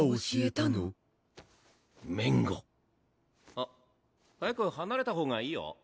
あっ早く離れた方がいいよ。